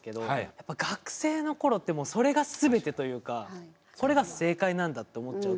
やっぱ、学生のころってもう、それがすべてというかこれが正解なんだって思っちゃう。